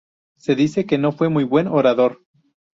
Se dice que no fue muy buen orador.